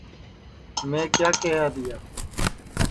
میں کیا کیہیا تیا